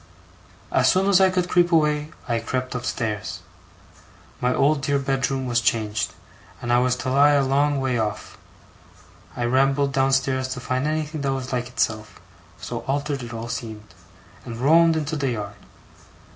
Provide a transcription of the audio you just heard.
As soon as I could creep away, I crept upstairs. My old dear bedroom was changed, and I was to lie a long way off. I rambled downstairs to find anything that was like itself, so altered it all seemed; and roamed into the yard.